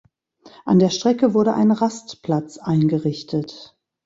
An der Strecke wurde ein Rastplatz eingerichtet.